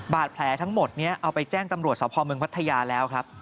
บาดแผลทั้งหมดเนี่ยเอาไปแจ้งตำรวจสาวพอมเมืองพัทยาแล้วครับ